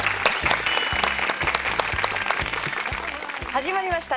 始まりました。